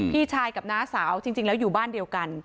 พี่ชายกับน้าสาวจริงแล้วอยู่บ้านเดียวกัน